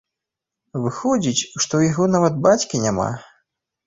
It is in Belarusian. Выходзіць, што ў яго нават бацькі няма?